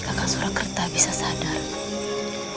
kakak surakerta bisa sadar